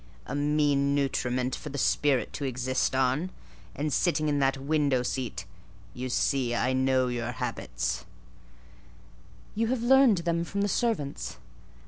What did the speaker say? "A mean nutriment for the spirit to exist on: and sitting in that window seat (you see I know your habits)—" "You have learned them from the servants."